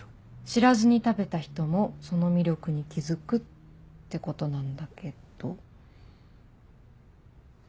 知らずに食べた人もその魅力に気付くってことなんだけど。